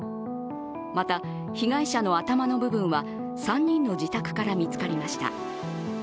また被害者の頭の部分は３人の自宅から見つかりました。